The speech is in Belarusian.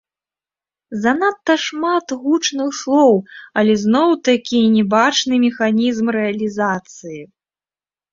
Занадта шмат гучных слоў, але зноў-такі не бачны механізм рэалізацыі.